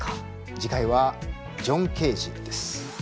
次回はジョン・ケージです。